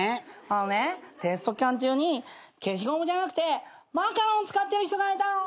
あのねテスト期間中に消しゴムじゃなくてマカロン使ってる人がいたの。